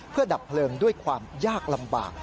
เพื่อดับเพลิงด้วยความยากลำบาก